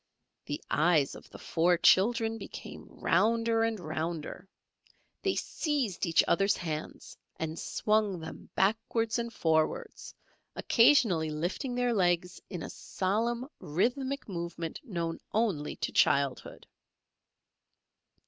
The eyes of the four children became rounder and rounder. They seized each other's hands and swung them backwards and forwards, occasionally lifting their legs in a solemn rhythmic movement known only to childhood.